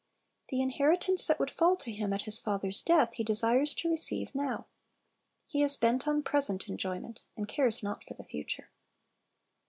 The inheritance that would fall to him at his father's death he desires to receive now. He is bent on present enjoyment, and cares not for the future.